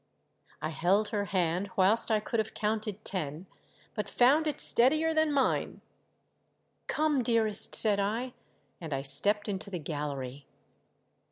I held her hand whilst T could have counted ten, but found it steadier than mine. MV POOR DARLING. 401 "Come, dearest!" said I, and I stepped into the gallery.